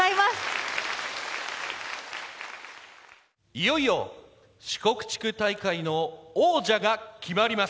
いよいよ四国地区大会の王者が決まります。